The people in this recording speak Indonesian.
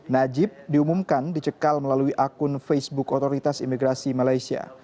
najib diumumkan dicekal melalui akun facebook otoritas imigrasi malaysia